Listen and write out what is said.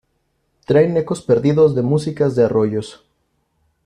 Traen ecos perdidos de músicas de arroyos.